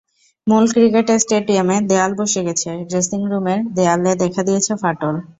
মূল ক্রিকেট স্টেডিয়ামের দেয়াল বসে গেছে, ড্রেসিংরুমের দেয়ালে দেখা দিয়েছে ফাটল।